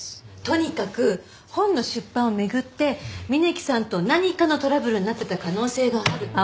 とにかく本の出版を巡って峯木さんと何かのトラブルになってた可能性がある。